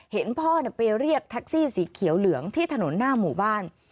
เห็นพ่อไปเรียกแท็กซี่สีเขียวเหลืองที่ถนนหน้าหมู่บ้าน